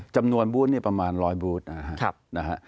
จำนวนบูธนี่ประมาณร้อยบูธนะฮะ